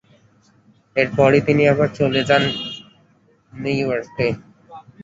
এরপরই তিনি আবার চলে যান ন্যুইয়র্কে।